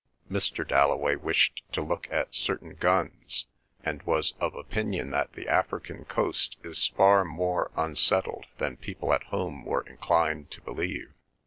Mr. Dalloway wished to look at certain guns, and was of opinion that the African coast is far more unsettled than people at home were inclined to believe.